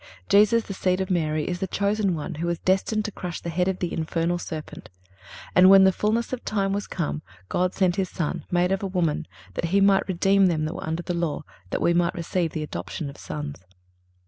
(335) Jesus, the seed of Mary, is the chosen one who was destined to crush the head of the infernal serpent. And "when the fulness of time was come God sent His Son, made of a woman, ... that He might redeem them that were under the law, that we might receive the adoption of sons."